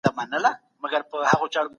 هیوادونه د انرژۍ د سرچینو لپاره تړونونه کوي.